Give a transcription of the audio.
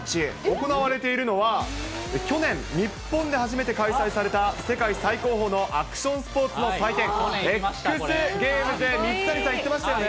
行われているのは、去年、日本で初めて開催された世界最高峰のアクションスポーツの祭典、Ｘゲームズ、水谷さん、行ってましたよね。